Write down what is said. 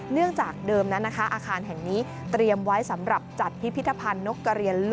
เนื่องจากเดิมนะคะอาคารแห่งนี้